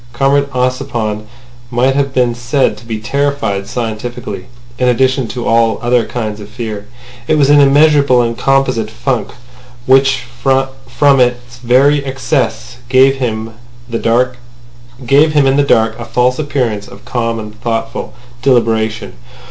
Comrade Ossipon might have been said to be terrified scientifically in addition to all other kinds of fear. It was an immeasurable and composite funk, which from its very excess gave him in the dark a false appearance of calm and thoughtful deliberation.